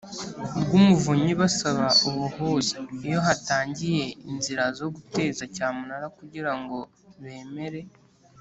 rw Umuvunyi basaba ubuhuza iyo hatangiye inzira zo guteza cyamunara kugira ngo bemere